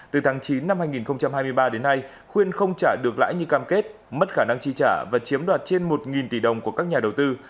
từ tháng chín năm hai nghìn hai mươi ba đến nay khuyên không trả được lãi như cam kết mất khả năng chi trả và chiếm đoạt trên một tỷ đồng của các nhà đầu tư